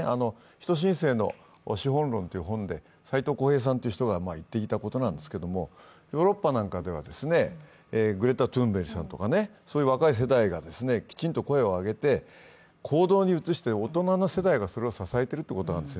「人新世の『資本論』」という本で斎藤幸平さんという人が言っていたことなんですけどヨーロッパなんかではグレタ・トゥンベリさんとかそういう若い世代がきちんと声を上げて、行動に移して、大人の世代がそれを支えているということなんです。